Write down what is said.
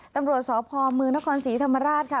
ตำรวจสอบพอมือนครสีธรรมราชค่ะ